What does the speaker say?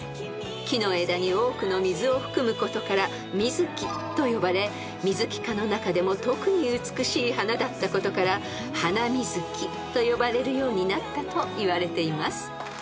［木の枝に多くの水を含むことからミズキと呼ばれミズキ科の中でも特に美しい花だったことからハナミズキと呼ばれるようになったといわれています］